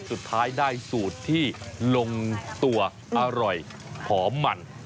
สุดท้ายได้สูตรที่ลงตัวอร่อยหอมมัน